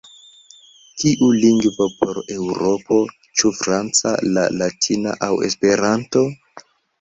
Kiu lingvo por Eŭropo: ĉu franca, la latina aŭ Esperanto?"“.